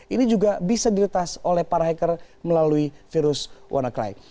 ini juga bisa diretas oleh para hacker melalui virus wannacry